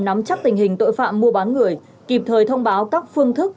nắm chắc tình hình tội phạm mua bán người kịp thời thông báo các phương thức